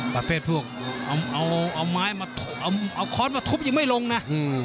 ประเภทพวกเอาไม้มาเอาค้อนมาทุบยังไม่ลงนะ